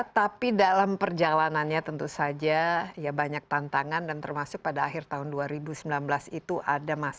tapi dalam perjalanannya tentu saja ya banyak tantangan dan termasuk pada akhir tahun dua ribu sembilan belas itu ada masalah